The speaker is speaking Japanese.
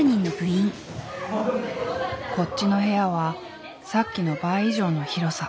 こっちの部屋はさっきの倍以上の広さ。